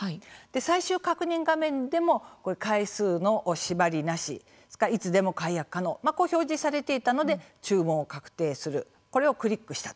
最終確認画面でも回数の縛りがなくいつでも解約可能と表示されていたので注文を確定するこれをクリックした。